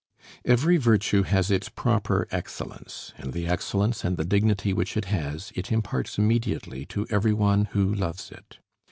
Every virtue has its proper excellence; and the excellence and the dignity which it has, it imparts immediately to every one who loves it.